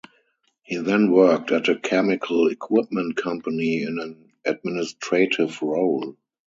He then worked at a chemical equipment company in an administrative role.